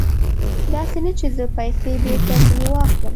داسې نه چې زه پیسې بېرته ځنې واخلم.